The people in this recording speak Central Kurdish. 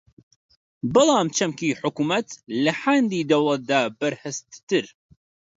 بەڵام چەمکی حکوومەت لە حاندی دەوڵەتدا بەرھەستتر